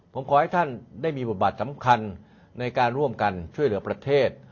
ผมขอให้ท่านได้มีบทบาทสำคัญในการร่วมกันช่วยเหลือประเทศ